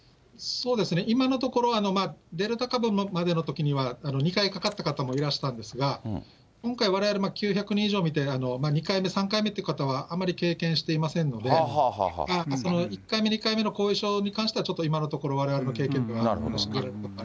今のところ、デルタ株までのときには、２回かかった方もいらしたんですが、今回、われわれ９００人以上診て、２回目、３回目という方は、あまり経験していませんので、その１回目、２回目の後遺症に関しては、ちょっと今のところ、われわれの経験では。